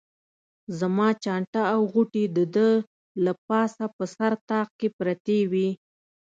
زما چانټه او غوټې د ده له پاسه په سر طاق کې پرتې وې.